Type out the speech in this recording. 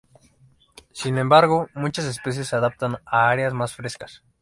Sin embargo, muchas especies se adaptan, a áreas más frescas.